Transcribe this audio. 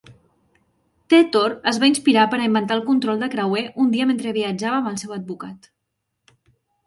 Teetor es va inspirar per a inventar el control de creuer un dia mentre viatjava amb el seu advocat.